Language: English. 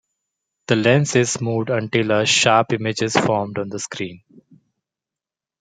The lens is moved until a sharp image is formed on the screen.